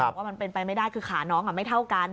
ว่ามันเป็นไปไม่ได้คือขาน้องไม่เท่ากัน